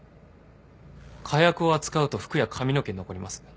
火薬を扱うと服や髪の毛に残ります。